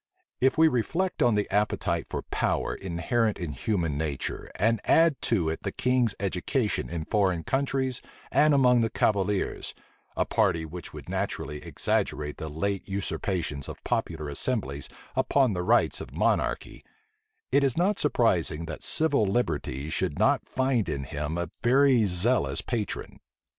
If we reflect on the appetite for power inherent in human nature, and add to it the king's education in foreign countries and among the cavaliers, a party which would naturally exaggerate the late usurpations of popular assemblies upon the rights of monarchy, it is not surprising that civil liberty should not find in him a very zealous patron.